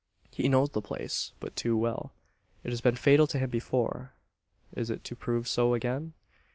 He knows the place, but too well. It has been fatal to him before. Is it to prove so again?